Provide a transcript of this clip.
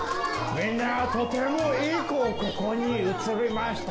みんなとてもいい子、ここに映りました。